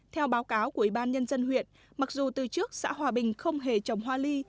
theo báo cáo của ủy ban nhân dân huyện mặc dù từ trước xã hòa bình không hề trồng hoa ly